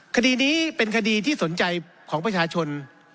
คดีนี้เป็นคดีที่สนใจของประชาชน